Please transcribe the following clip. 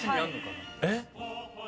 えっ？